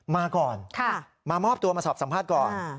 มาก่อนมามอบตัวมาสอบสัมภาษณ์ก่อน